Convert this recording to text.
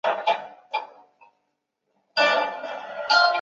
官至司封员外郎。